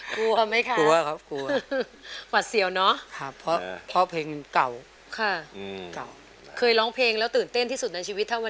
ชวนพี่ซิเธอ